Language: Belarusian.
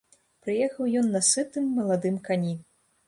Прыехаў ён на сытым маладым кані.